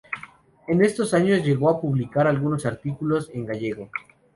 En estos años llegó a publicar algunos artículos en gallego.